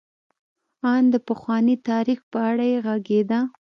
ان د پخواني تاریخ په اړه یې غږېده.